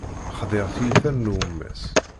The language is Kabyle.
Xḍiɣ tiyita n lemwas.